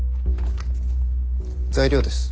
材料です。